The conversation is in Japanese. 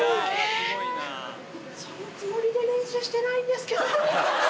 そのつもりで練習してないんですけど。